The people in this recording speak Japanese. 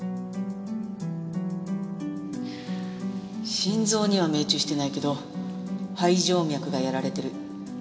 心臓には命中してないけど肺静脈がやられてる。